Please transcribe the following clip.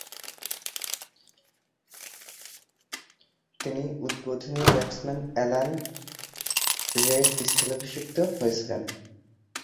তিনি উদ্বোধনী batsman Alan রে’র স্থলাভিষিক্ত হয়েছিলেন।